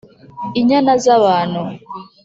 inyana z abantu